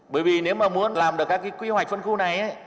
bởi vì nếu mà muốn làm được các cái quy hoạch phân khu này